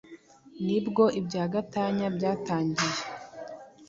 ni bwo ibya Gatanga byatangiye.